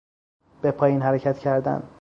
به پایین حرکت کردن